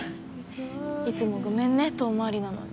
いつもごめんね遠回りなのに